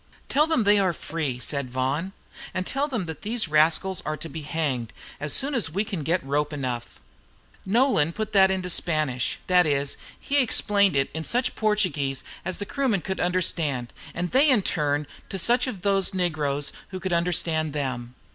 "Tell them they are free," said Vaughan; "and tell them that these rascals are to be hanged as soon as we can get rope enough." Nolan "put that into Spanish," that is, he explained it in such Portuguese as the Kroomen could understand, and they in turn to such of the negroes as could understand them.